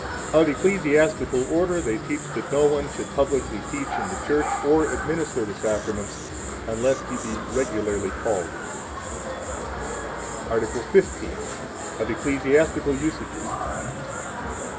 Of Ecclesiastical Order they teach that no one should publicly teach in the Church or administer the Sacraments unless he be regularly called. Article XV. Of Ecclesiastical Usages.